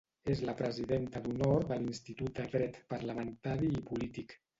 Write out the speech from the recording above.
És la Presidenta d'Honor de l'Institut de Dret Parlamentari i Polític.